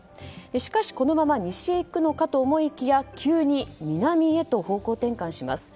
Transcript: しかし、このまま西へ行くのかと思いきや急に南へと方向転換します。